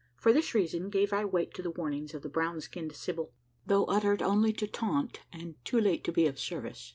For this reason gave I weight to the warnings of the brown skinned sibyl though uttered only to taunt, and too late to be of service.